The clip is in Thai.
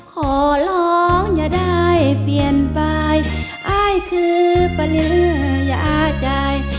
ขอร้องอย่าได้เปลี่ยนไปอ้ายคือปลืออย่าใจ